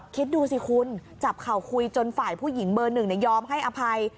คิดดูสิคุณจับเข่าคุยจนฝ่ายผู้หญิงเบอร์หนึ่งยอมให้อภัย